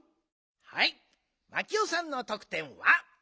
はいマキオさんのとくてんは？